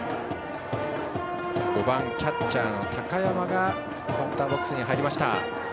５番キャッチャーの高山がバッターボックスに入りました。